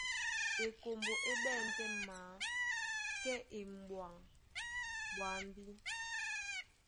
Ekombo é ɓɛ̂n tɛ́ maa, kɛ́ e e m̀ɓwaŋ ɓwambí.